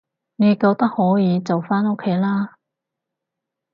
你覺得可以就返屋企啦